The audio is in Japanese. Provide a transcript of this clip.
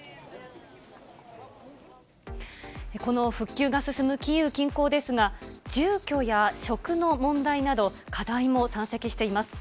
この復旧が進むキーウ近郊ですが、住居や食の問題など、課題も山積しています。